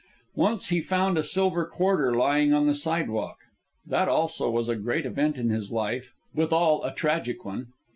Once he found a silver quarter lying on the sidewalk. That, also, was a great event in his life, withal a tragic one.